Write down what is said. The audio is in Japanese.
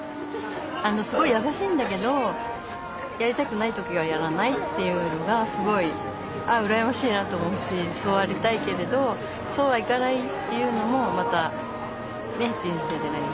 すごい優しいんだけどやりたくない時はやらないっていうのがすごい「ああ羨ましいな」と思うしそうありたいけれどそうはいかないっていうのもまたね人生じゃないですか。